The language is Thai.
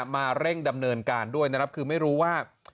มาเร่งดำเนินการด้วยนะครับคือไม่รู้ว่า